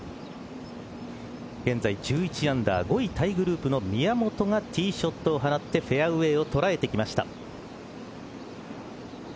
現在１１アンダー５位タイグループの宮本がティーショットを放ってフェアウエーを捉えてきました。